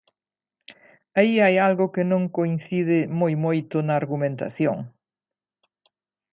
Aí hai algo que non coincide moi moito na argumentación.